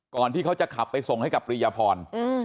ที่เขาจะขับไปส่งให้กับปริยพร